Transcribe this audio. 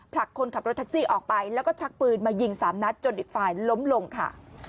ผลักคนขับรถแท็กซี่ออกไปแล้วก็ชักปืนมายิงสามนัดจนอีกฝ่ายล้มลงค่ะ